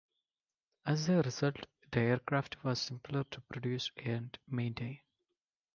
As a result, the aircraft was simpler to produce and maintain.